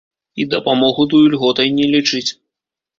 І дапамогу тую льготай не лічыць.